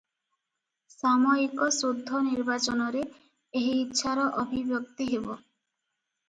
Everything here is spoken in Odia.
ସାମୟିକ ଶୁଦ୍ଧ ନିର୍ବାଚନରେ ଏହି ଇଚ୍ଛାର ଅଭିବ୍ୟକ୍ତି ହେବ ।